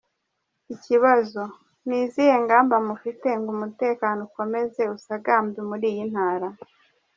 Ikibazo:Ni izihe ngamba mufite ngo umutekano ukomeze usagambe muri iyi ntara ?